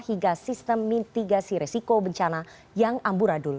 hingga sistem mitigasi resiko bencana yang amburadul